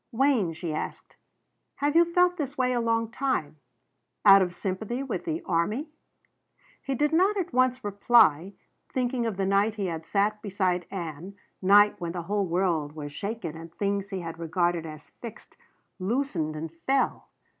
"Wayne," she asked, "have you felt this way a long time? Out of sympathy with the army?" He did not at once reply, thinking of the night he had sat beside Ann, night when the whole world was shaken and things he had regarded as fixed loosened and fell.